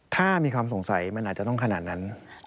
ถ้ามีความสงสัยมันอาจจะต้องขนาดนั้น